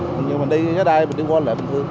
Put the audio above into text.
nhưng mà mình đi cái đây mình đi qua lại mình thương